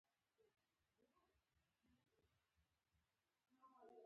که ما هرڅومره وویل چې نه یې څښم.